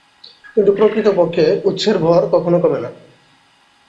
কিন্তু প্রকৃত পক্ষে উৎসের ভর কখনও কমে না।